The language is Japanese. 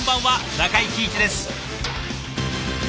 中井貴一です。